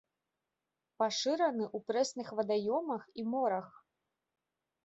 Пашыраны ў прэсных вадаёмах і морах.